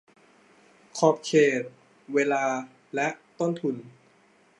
ขอบเขต เวลา และต้นทุน